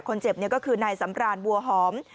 คนเจ็บเนี่ยก็คือนายสำราญวัวหอม